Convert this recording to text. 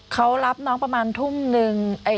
เขารับน้องประมาณทุ่มนึง